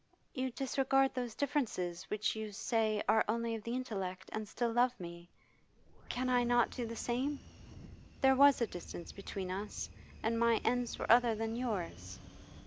'You disregard those differences which you say are only of the intellect, and still love me. Can I not do the same? There was a distance between us, and my ends were other than yours.